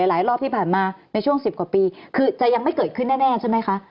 หลายรอบที่ผ่านมาในช่วง๑๐กว่าปีคือจะยังไม่เกิดขึ้นแน่ใช่ไหมคะ